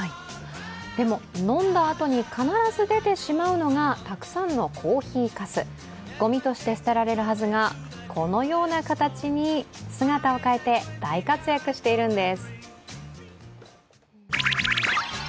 でも、飲んだあとに必ず出てしまうのが、たくさんのコーヒーかすごみとして捨てられるはずが、このような形に姿を変えて大活躍しているんです。